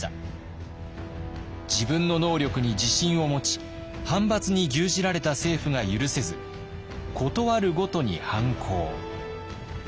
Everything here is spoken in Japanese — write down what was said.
自分の能力に自信を持ち藩閥に牛耳られた政府が許せずことあるごとに反抗。